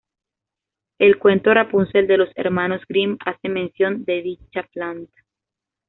El cuento Rapunzel de los Hermanos Grimm, hace mención de dicha planta.